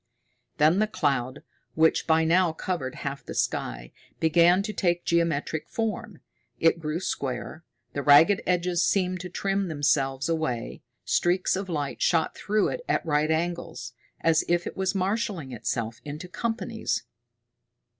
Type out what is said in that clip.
Then the cloud, which by now covered half the sky, began to take geometric form. It grew square, the ragged edges seemed to trim themselves away, streaks of light shot through it at right angles, as if it was marshaling itself into companies.